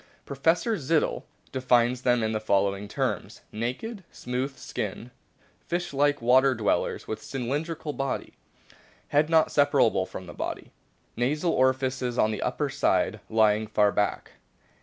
Professor Zittel* defines them in the following terms: "Naked, smooth skinned, fish like water dwellers, with cylindrical body. Head not separable from the body. Nasal orifices on the upper side lying far back.